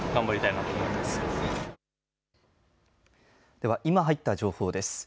では今、入った情報です。